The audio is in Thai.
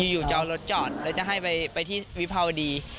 อยู่จะเอารถจอดแล้วจะให้ไปที่วิภาวดี